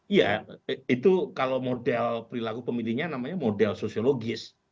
iya itu kalau model perilaku pemilihnya namanya model sosiologis